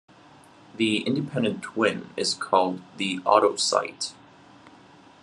The independent twin is called the autosite.